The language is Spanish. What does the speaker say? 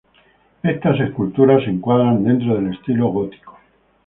Estas esculturas se encuadran dentro del estilo gótico.